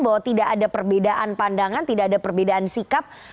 bahwa tidak ada perbedaan pandangan tidak ada perbedaan sikap